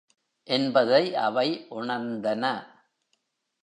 என்பதை அவை உணர்ந்தன.